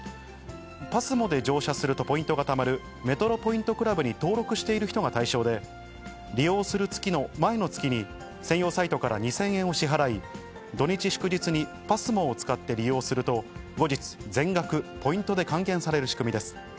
ＰＡＳＭＯで乗車するとポイントがたまる、メトロポイントクラブに登録している人が対象で、利用する月の前の月に、専用サイトから２０００円を支払い、土日祝日にＰＡＳＭＯを使って利用すると、後日、全額ポイントで還元される仕組みです。